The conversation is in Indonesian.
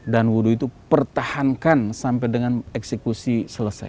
dan wudhu itu pertahankan sampai dengan eksekusi selesai